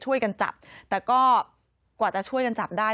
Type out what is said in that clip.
ช่วยกันจับแต่ก็กว่าจะช่วยกันจับได้